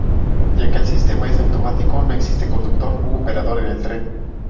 Ya que el sistema es automático, no existe conductor u operador en el tren.